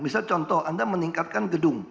misal contoh anda meningkatkan gedung